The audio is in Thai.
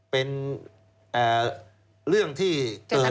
เป็นเรื่องที่